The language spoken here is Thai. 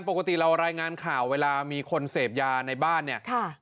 ปกติเรารายงานข่าวเวลามีคนเสพยาในบ้านเนี่ย